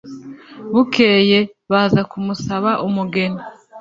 bukeye baza kumusaba umugeni